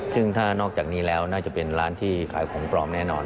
ซึ่งถ้านอกจากนี้แล้วน่าจะเป็นร้านที่ขายของปลอมแน่นอน